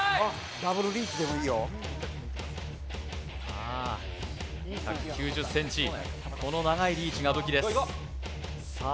ダブルリーチでもいいよさあ１９０ｃｍこの長いリーチが武器ですさあ